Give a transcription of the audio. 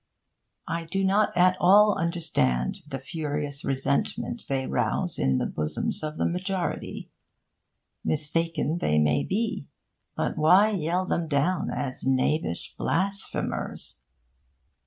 I do not at all understand the furious resentment they rouse in the bosoms of the majority. Mistaken they may be; but why yell them down as knavish blasphemers?